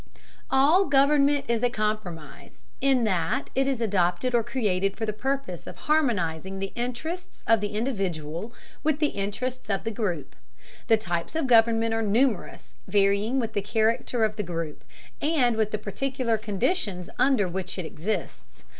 All government is a compromise, in that it is adopted or created for the purpose of harmonizing the interests of the individual with the interests of the group. The types of government are numerous, varying with the character of the group, and with the particular conditions under which it exists.